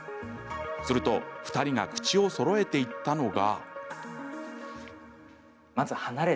すると、２人が口をそろえて言ったのが。